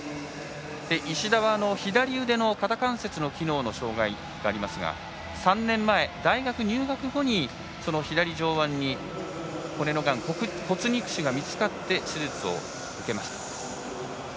石田は左腕の肩関節の機能の障がいがありますが３年前、大学入学後に左上腕に骨のがん、骨肉腫が見つかって手術を受けました。